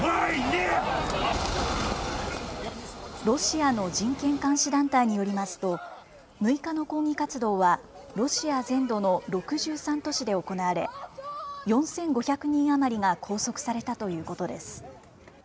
ロシアの人権監視団体によりますと、６日の抗議活動は、ロシア全土の６３都市で行われ、４５００人余りが拘束されたということです。